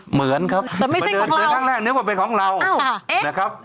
เหมือนครับแต่ไม่ใช่ของเราเดี๋ยวครั้งแรกนึกว่าเป็นของเราอ้าวนะครับ